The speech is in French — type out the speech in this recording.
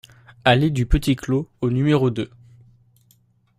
Allée du Petit Clos au numéro deux